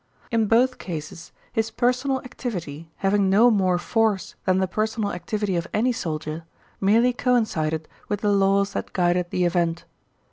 In both cases his personal activity, having no more force than the personal activity of any soldier, merely coincided with the laws that guided the event.